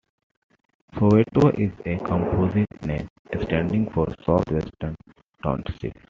Soweto is a composite name, standing for South-Western Townships.